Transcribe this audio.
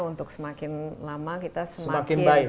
untuk semakin lama kita semakin